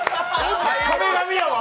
壁紙やわ。